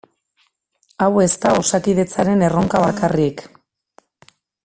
Hau ez da Osakidetzaren erronka bakarrik.